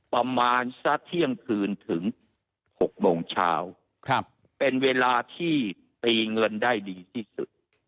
ประมาณสักเที่ยงคืนถึง๖โมงเช้าเป็นเวลาที่ตีเงินได้ดีที่สุด